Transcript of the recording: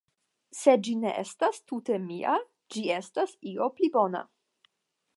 Se ĝi ne estas tute mia ĝi estas io pli bona.